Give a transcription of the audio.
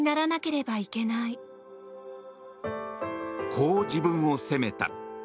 こう自分を責めた。